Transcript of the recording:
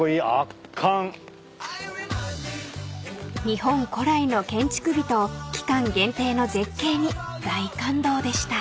［日本古来の建築美と期間限定の絶景に大感動でした］